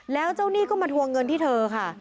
แล้วเจ้าหนี้ก็มาทวงเงินที่เธอค่ะ